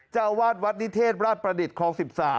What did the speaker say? เจ้าอาวาสวัดนิเทศราชประดิษฐ์คลอง๑๓